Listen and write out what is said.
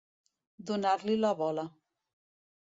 Donar-li la bola.